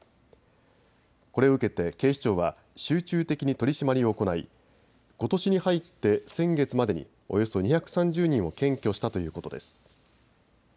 これを受けて警視庁は集中的に取締りを行いことしに入って先月までにおよそ２３０人を検挙したということです。